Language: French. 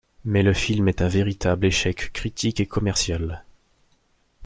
Mais le film est un véritable échec critique et commercial.